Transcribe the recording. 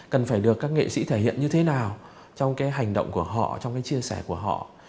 cần phải được các nghệ sĩ thể hiện như thế nào trong cái hành động của họ trong cái chia sẻ của họ